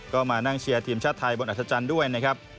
ก็มานั่งเชียร์ทีมชาติไทยบนอัศจรรย์ด้วยนะครับ